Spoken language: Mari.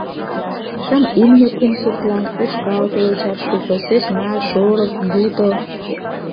Шым имне кум суртлан, ушкал тулечат шуко, сӧсна, шорык, юто...